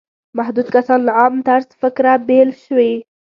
محدود کسان له عام طرز فکره بېل شوي.